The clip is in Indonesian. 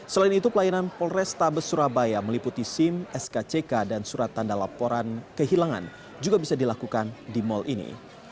selain itu pelayanan polrestabes surabaya meliputi sim skck dan surat tanda laporan kehilangan juga bisa dilakukan di mal ini